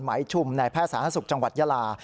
ชุมในแพทย์สาธารณสุขจังหวัดยาลา